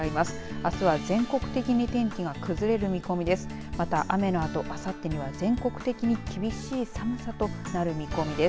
あすは全国的に天気が崩れる見込みです。